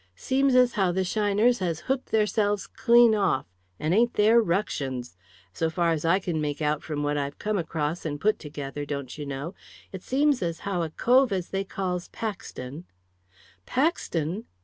Seems as how the shiners has hooked theirselves clean off and ain't there ructions! So far as I can make out from what I've come across and put together, don't yer know, it seems as how a cove as they calls Paxton " "Paxton!"